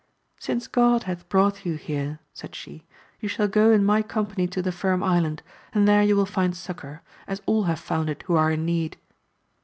Since God hath brought you here, said she, you shall go in my company to the Firm Island, and there you will find succour, as all have found it who are in need.